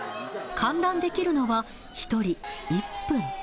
観覧できるのは１人１分。